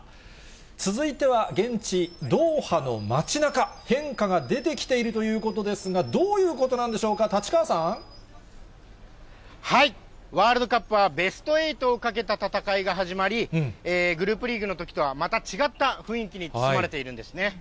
続いては、現地ドーハの街なか、変化が出てきているということですが、どういうことなんでしょうか、ワールドカップはベスト８を懸けた戦いが始まり、グループリーグのときとはまた違った雰囲気に包まれているんですね。